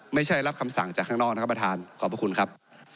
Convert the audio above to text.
ไม่ใช่รับคำสั่งจากข้างนอกนะครับประธานขอบพระคุณครับ